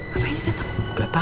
apa ini dateng